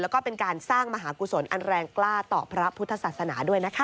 แล้วก็เป็นการสร้างมหากุศลอันแรงกล้าต่อพระพุทธศาสนาด้วยนะคะ